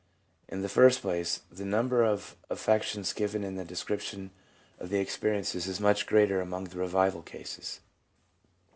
In the first place, the number of affections given in the description of the experiences is much greater among the revival cases.